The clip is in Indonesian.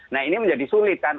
nah ini menjadi sulit kan